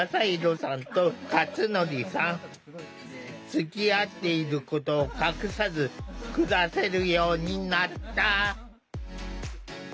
つきあっていることを隠さず暮らせるようになった。